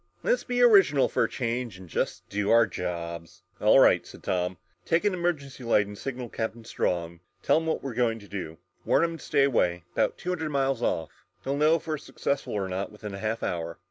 Let's be original for a change and just do our jobs!" "All right," said Tom. "Take an emergency light and signal Captain Strong. Tell him what we're going to do. Warn him to stay away about two hundred miles off. He'll know if we're successful or not within a half hour!"